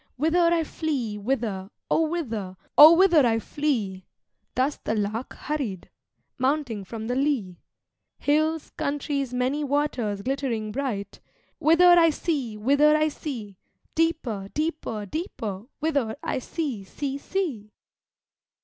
Whither I flee, whither, O whither, O whither I flee!' (Thus the Lark hurried, mounting from the lea) 'Hills, countries, many waters glittering bright, Whither I see, whither I see! deeper, deeper, deeper, whither I see, see, see!'